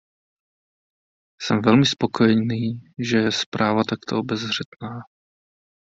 Jsem velmi spokojený, že je zpráva takto obezřetná.